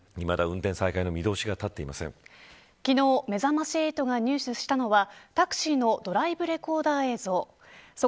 いまだ運転再開の見通しが昨日めざまし８が入手したのはタクシーのドライブレコーダー映像。